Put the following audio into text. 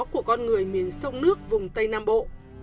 của con người miền sông nước vùng tây nam bộ